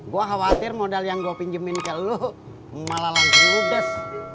gue khawatir modal yang gue pinjemin ke lo malah langsung udes